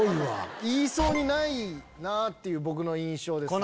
言いそうにないなぁっていう僕の印象です。